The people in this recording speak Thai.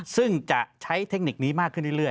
ซึ่งจะใช้เทคนิคนี้มากขึ้นเรื่อย